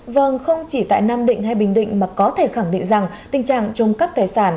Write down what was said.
vâng không chỉ tại nam định hay bình định mà có thể khẳng định rằng tình trạng trông cắp tài sản